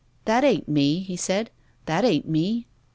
"' That ain't me,' he said. ' That ain't me.